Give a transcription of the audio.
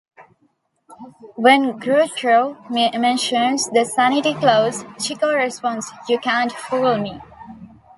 When Groucho mentions the "sanity clause", Chico responds, "You can't fool me.